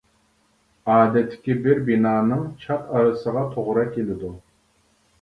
ئادەتتىكى بىر بىنانىڭ چات ئارىسىغا توغرا كېلىدۇ.